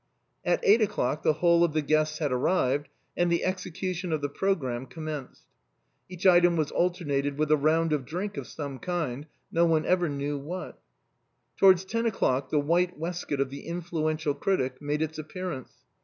At eight o'clock the whole of the guests had arrived, and A CARLOVINGIAN COIN. 73 the execution of the programme commenced. Each item was alternated with a round of drinks of some kind, no one ever knew what. Towards ten o'clock the white waistcoat of the influen tial critic made its appearance.